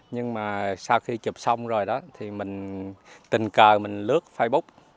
nhưng mà sau khi chụp xong rồi đó thì mình tình cờ mình lướt facebook